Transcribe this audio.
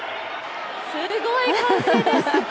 すごい歓声です。